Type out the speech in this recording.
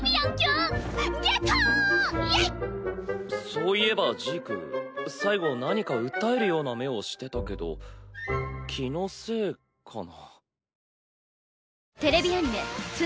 そういえばジーク最後何か訴えるような目をしてたけど気のせいかな。